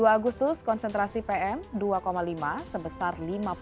dua puluh dua agustus konsentrasi pm dua lima sebesar lima puluh tiga